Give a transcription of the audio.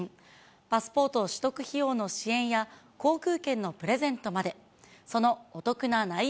パスポート取得費用の支援や航空券のプレゼントまで。